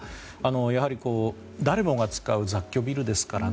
やはり誰もが使う雑居ビルですからね。